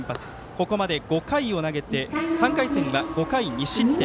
ここまで５回を投げて３回戦は５回２失点。